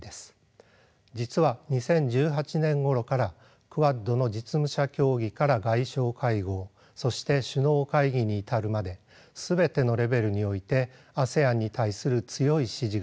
実は２０１８年ごろからクアッドの実務者協議から外相会合そして首脳会議に至るまで全てのレベルにおいてＡＳＥＡＮに対する強い支持が一貫して表明されてきました。